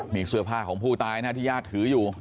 นี่เสื้อผ้าของผู้ตายนะที่ญาติถืออยู่